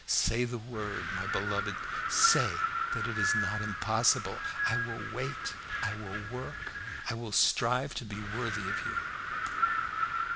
Say the word, my beloved, say that it is not impossible! I will wait I will work I will strive to be worthy of you."